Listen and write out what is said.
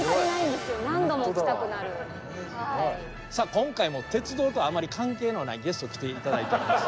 今回も鉄道とあまり関係のないゲスト来て頂いております。